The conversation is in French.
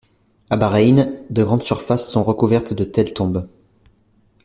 À Bahreïn, de grandes surfaces sont recouvertes de telles tombes.